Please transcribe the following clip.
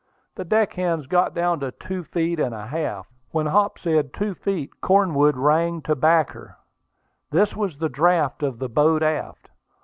The deck hands got down to two feet and a half. When Hop said two feet, Cornwood rang to back her. This was the draft of the boat aft.